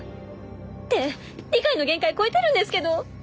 って理解の限界超えてるんですけど！